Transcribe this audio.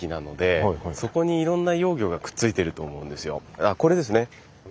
あっこれですね。